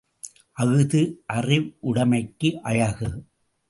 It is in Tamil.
அஃதே அறிவுடைமைக்கு அழகு!